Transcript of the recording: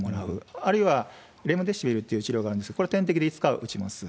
あるいはレムデシビルっていう治療があるんですけれども、これは点滴でいつか打ちます。